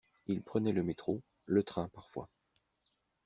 Il prenait le métro, le train parfois.